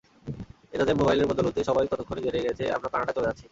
এজাজের মোবাইলের বদৌলতে সবাই ততক্ষণে জেনে গেছে আমরা কানাডা চলে যাচ্ছি।